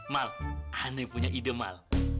mal aneh punya ide mal